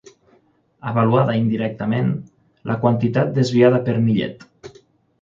Avaluada indirectament, la quantitat desviada per Millet.